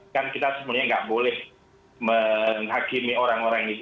kan kita sebenarnya nggak boleh menghakimi orang orang itu